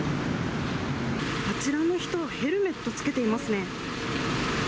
あちらの人はヘルメット着けていますね。